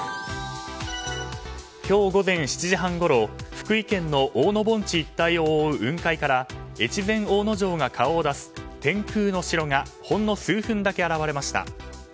今日午前７時半ごろ福井県の大野盆地一帯を覆う雲海から越前大野城が顔を出す天空の城がほんの数分だけ現れました。